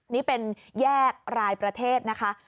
นี่เป็นแยกรายประเทศนะคะ